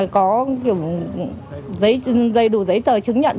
có dây đủ giấy tờ chứng nhận